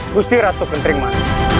gusti ratu kentringman